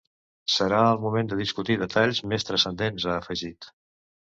Serà el moment de discutir detalls més transcendents, ha afegit.